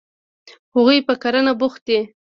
هغوی په کرنه بوخت دي.